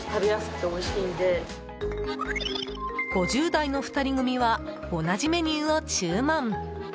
５０代の２人組は同じメニューを注文。